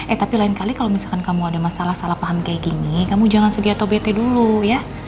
eh tapi lain kali kalau misalkan kamu ada masalah salah paham kayak gini kamu jangan sedia atau bt dulu ya